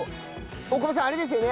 大久保さんあれですよね？